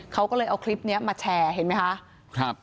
เขาก็เลยเอาคลิปนี้มาแชร์เห็นไหมคะ